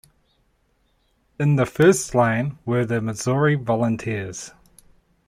In the first line were the Missouri volunteers.